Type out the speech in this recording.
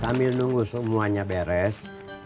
kami nunggu semuanya beres